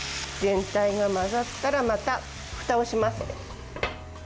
全体が混ざったらまた、ふたをします。